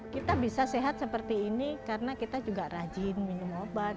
kita bisa sehat seperti ini karena kita juga rajin minum obat